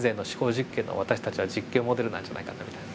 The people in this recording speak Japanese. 実験の私たちは実験モデルなんじゃないかなみたいな。